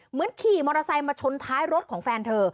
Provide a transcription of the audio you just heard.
ขี่มอเตอร์ไซค์มาชนท้ายรถของแฟนเธอ